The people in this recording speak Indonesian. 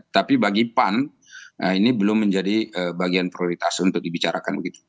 tapi bagi pan ini belum menjadi bagian prioritas untuk dibicarakan begitu